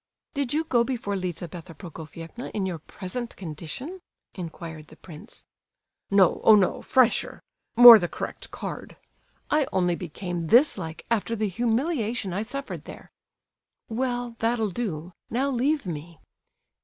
"Did you go before Lizabetha Prokofievna in your present condition?" inquired the prince. "No—oh no, fresher—more the correct card. I only became this like after the humiliation I suffered there." "Well—that'll do; now leave me."